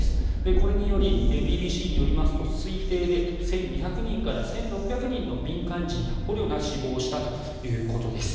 これによりＢＢＣによりますと推定で１２００人から１６００人の民間人や捕虜が死亡したということです。